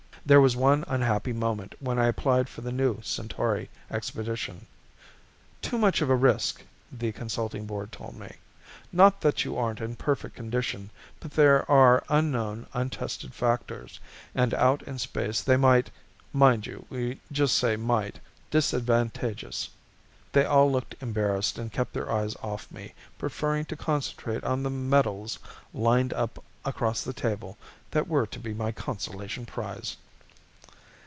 There was one unhappy moment when I applied for the new Centauri Expedition. "Too much of a risk," the Consulting Board told me. "Not that you aren't in perfect condition but there are unknown, untested factors and out in space they might mind you, we just say might prove disadvantageous." They all looked embarrassed and kept their eyes off me, preferring to concentrate on the medals lined up across the table that were to be my consolation prize.